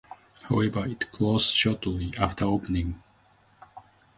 However, it closed shortly after opening.